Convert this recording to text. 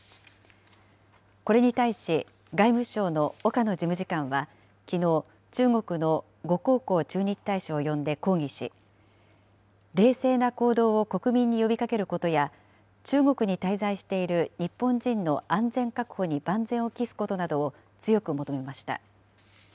これに対し、外務省の岡野事務次官はきのう、中国の呉江浩駐日大使を呼んで抗議し、冷静な行動を国民に呼びかけることや、中国に滞在している日本人の安全確保に万全を期すことなどを強く求めました。